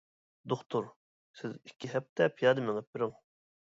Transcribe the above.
دوختۇر : «سىز ئىككى ھەپتە پىيادە مېڭىپ بېرىڭ» .